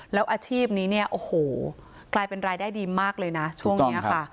แล้วอาชีพนี้เนี่ยโอ้โหกลายเป็นรายได้ดีมากเลยนะช่วงนี้ค่ะ